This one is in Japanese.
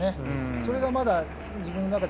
それがまだ自分の中で。